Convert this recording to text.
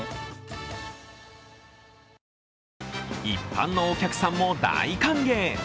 一般のお客さんも大歓迎。